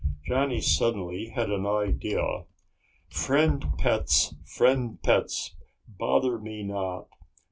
Johnny suddenly had an idea. "Friend pets, friend pets, bother me not.